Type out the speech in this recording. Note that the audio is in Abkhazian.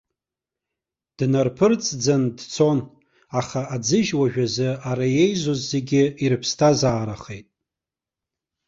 Днарԥырҵӡан дцон, аха аӡыжь уажәазы ара еизоз зегьы ирыԥсҭазаарахеит.